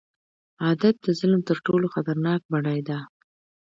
عادت د ظلم تر ټولو خطرناک بڼې ده.